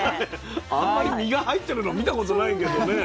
あんまり実が入ってるの見たことないけどね。